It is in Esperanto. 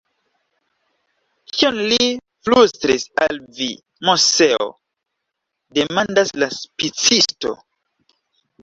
Kion li flustris al vi, Moseo? demandas la spicisto.